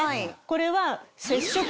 これは。